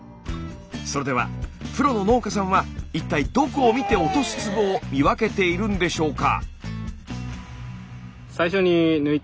それではプロの農家さんは一体どこを見て落とす粒を見分けているんでしょうか？